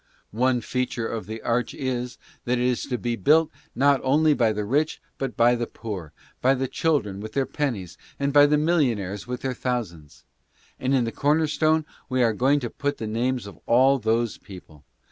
One feature of the arch is that it is to be built not only by the rich but by the poor, by the children with their pennies and by the millionaires with their thousands. And in the corner stone we are going to put the names of all those people.